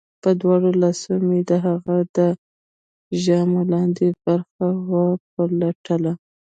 په دواړو لاسو مې د هغه د ژامو لاندې برخه وپلټله